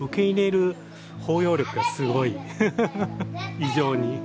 異常に。